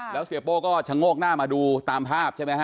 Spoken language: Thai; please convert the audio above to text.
แล้วเสียโป้ก็ชะโงกหน้ามาดูตามภาพใช่ไหมฮะ